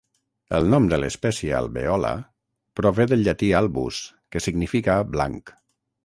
El nom de l'espècie "albeola" prové del llatí "albus", que significa "blanc".